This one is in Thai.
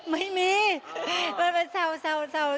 ไม่มีมันเป็นเจ้ากันเดี๋ยวเฉย